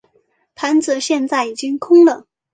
盘子现在已经空了。